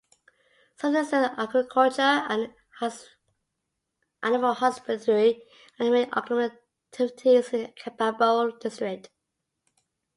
Subsistence agriculture and animal husbandry are the main economic activities in Kabarole District.